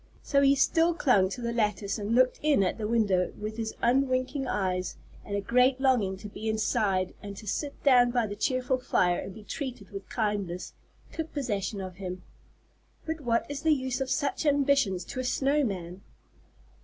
So he still clung to the lattice and looked in at the window with his unwinking eyes; and a great longing to be inside, and to sit down by the cheerful fire and be treated with kindness, took possession of him. But what is the use of such ambitions to a snow man?